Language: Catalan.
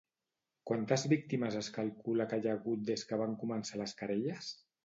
Quantes víctimes es calcula que hi ha hagut des que van començar les querelles?